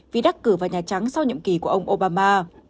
vì đắc cử vào nhà trắng sau nhiệm kỳ của ông obama